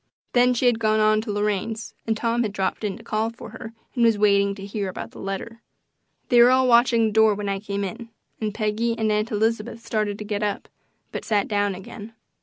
Then she had gone on to Lorraine's and Tom had dropped in to call for her and was waiting to hear about the letter. They were all watching the door when I came in, and Peggy and Aunt Elizabeth started to get up, but sat down again.